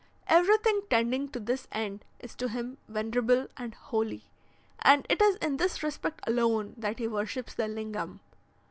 Everything tending to this end is to him venerable and holy, and it is in this respect alone that he worships the Lingam.